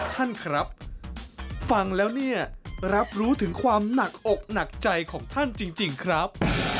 ท่านครับฟังแล้วเนี่ยรับรู้ถึงความหนักอกหนักใจของท่านจริงครับ